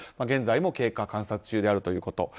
現在も経過観察中だということ。